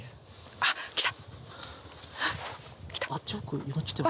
あっ来た！